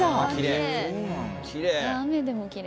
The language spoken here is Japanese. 雨でもきれい。